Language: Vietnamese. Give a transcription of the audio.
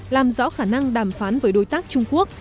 làm rõ khả năng đàm phán với đối tác trung quốc